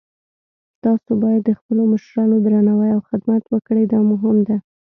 تاسو باید د خپلو مشرانو درناوی او خدمت وکړئ، دا مهم ده